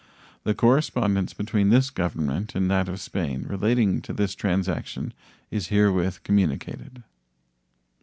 The correspondence between this Government and that of Spain relating to this transaction is herewith communicated.